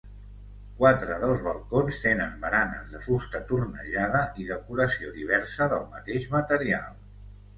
Quatre dels balcons tenen baranes de fusta tornejada i decoració diversa del mateix material.